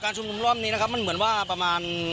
การชุมนุมรอบนี้มันเหมือนว่า